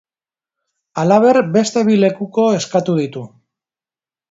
Halaber, beste bi lekuko eskatu ditu.